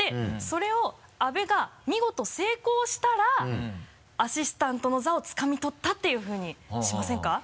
それを阿部が見事成功したらアシスタントの座をつかみ取ったっていうふうにしませんか？